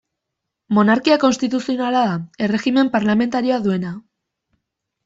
Monarkia konstituzionala da, erregimen parlamentarioa duena.